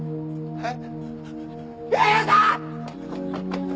えっ！？